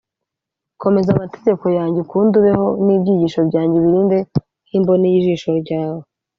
komeza amategeko yanjye ukunde ubeho, n’ibyigisho byanjye ubirinde nk’imboni y’ijisho ryawe